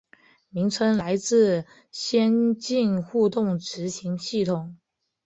名称来自先进互动执行系统。